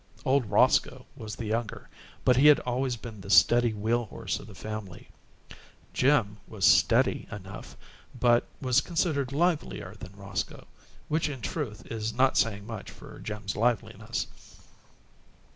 "Old Roscoe" was the younger, but he had always been the steady wheel horse of the family. Jim was "steady" enough, but was considered livelier than Roscoe, which in truth is not saying much for Jim's liveliness.